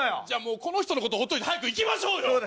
じゃあもうこの人のことほっといて早く行きましょうよ。